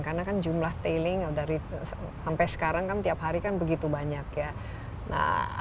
karena kan jumlah tiling sampai sekarang kan tiap hari begitu banyak ya